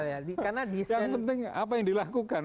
yang penting apa yang dilakukan